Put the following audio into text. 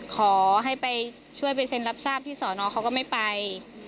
ขอให้ไปช่วยไปเซ็นรับทราบที่สอนอเขาก็ไม่ไป